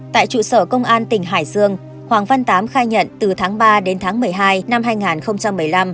tại trụ sở công an tỉnh hải dương hoàng văn tám khai nhận từ tháng ba đến tháng một mươi hai năm hai nghìn một mươi năm